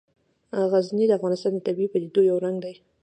غزني د افغانستان د طبیعي پدیدو یو رنګ دی.